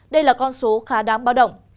đây là con số khá đáng bao động